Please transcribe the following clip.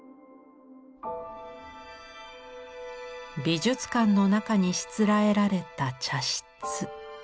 美術館の中にしつらえられた茶室。